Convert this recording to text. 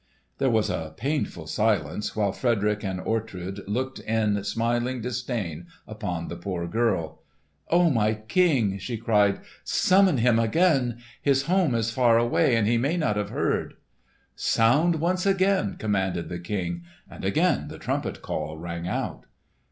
There was a painful silence, while Frederick and Ortrud looked in smiling disdain upon the poor girl. "O my King!" she cried. "Summon him again! His home is far away and he may not have heard." "Sound once again!" commanded the King, and again the trumpet call rang out.